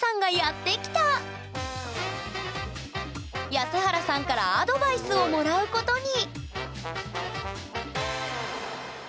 安原さんからアドバイスをもらうことに！